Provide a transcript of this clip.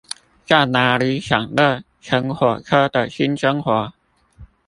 在那裡享樂乘火車的新生活